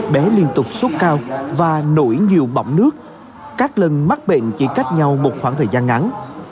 bé liên tục sốt cao và nổi nhiều bọng nước các lần mắc bệnh chỉ cách nhau một khoảng thời gian ngắn